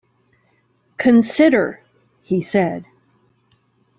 “Consider,” he said.